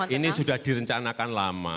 ini sudah direncanakan lama